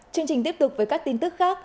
chương trình tiếp tục với các tin tức khác